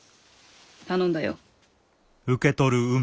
頼んだよ。